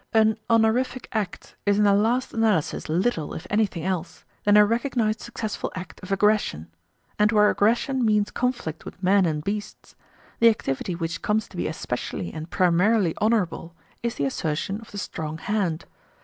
A honorific act is in the last analysis little if anything else than a recognised successful act of aggression; and where aggression means conflict with men and beasts, the activity which comes to be especially and primarily honourable is the assertion of the strong hand.